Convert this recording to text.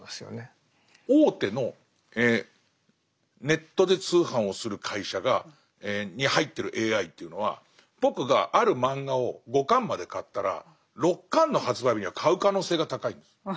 大手のネットで通販をする会社に入ってるＡＩというのは僕がある漫画を５巻まで買ったら６巻の発売日には買う可能性が高いんです。